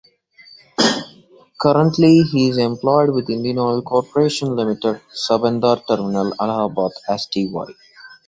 Currently, he is employed with Indian Oil Corporation Limited, Subedar Terminal, Allahabad as Dy.